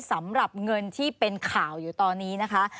สำหรับเงินที่เป็นข่าวอยู่ตอนนี้นะคะ